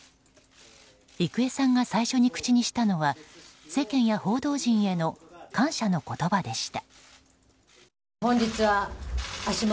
郁恵さんが最初に口にしたのは世間や報道陣への感謝の言葉でした。